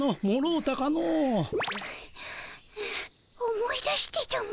思い出してたも。